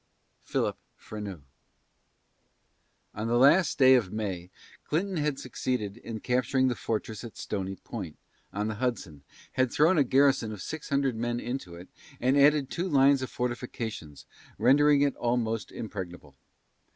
PHILIP FRENEAU. On the last day of May, Clinton had succeeded in capturing the fortress at Stony Point, on the Hudson, had thrown a garrison of six hundred men into it, and added two lines of fortifications, rendering it almost impregnable.